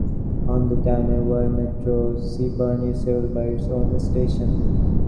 On the Tyne and Wear Metro Seaburn is served by its own station.